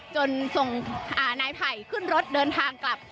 จนส่งนายไผ่ขึ้นรถเดินทางกลับ